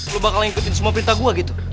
lo bakal ngikutin semua berita gue gitu